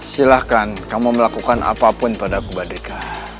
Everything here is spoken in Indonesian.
silahkan kamu melakukan apapun pada aku badrika